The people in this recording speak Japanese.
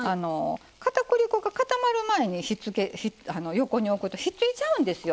かたくり粉が固まる前に横と引っ付いちゃうんですよ。